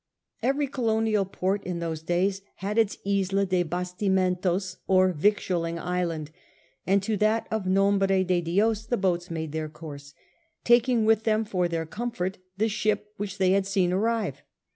Every colonial port in those days had its I^a de Bastimentos or Victualling Island, and to that of Nombre de Dios the boats made their course, taking with them for their comfort the ship which they had seen arrive.